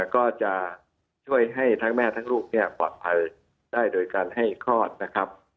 ก็จะช่วยให้ทั้งแม่ทั้งลูกปลอดภัยได้โดยการให้คลอดนะครับ